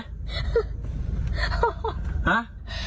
ฮ่า